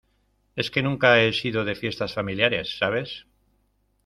es que nunca he sido de fiestas familiares, ¿ sabes?